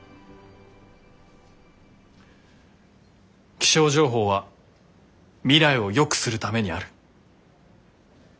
気象情報は未来をよくするためにある。